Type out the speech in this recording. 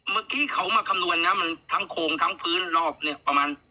เมื่อกี้เขามาคำนวณนะมันทั้งโครงทั้งพื้นรอบเนี่ยประมาณ